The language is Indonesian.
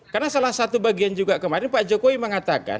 karena salah satu bagian juga kemarin pak jokowi mengatakan